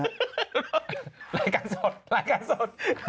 รายการสดรายการสด